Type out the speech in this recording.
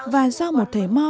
và do một thế mo